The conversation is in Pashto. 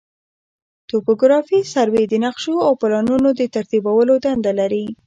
توپوګرافي سروې د نقشو او پلانونو د ترتیبولو دنده لري